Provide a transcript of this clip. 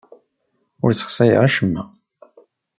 Ur ssexsayeɣ acemma.